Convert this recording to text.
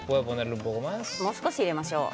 もう少し入れましょう。